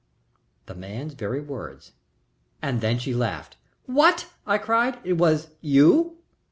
The man's very words! And then she laughed. "What?" I cried. "It was you!"